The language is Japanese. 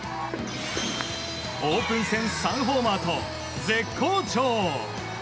オープン戦３ホーマーと絶好調！